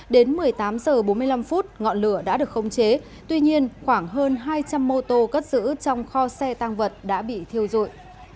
đến một mươi tám h bốn mươi năm ngọn lửa đã được khống chế tuy nhiên khoảng hơn hai trăm linh mô tô cất giữ trong kho xe tăng vật đã bị thiêu rụi